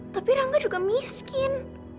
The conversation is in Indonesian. tapi rangga juga miskin